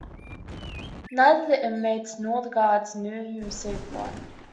Neither the inmates nor the guards knew who received what.